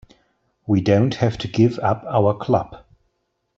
We don't have to give up our club.